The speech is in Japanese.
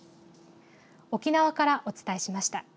沖縄からお伝えしました。